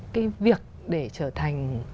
cái việc để trở thành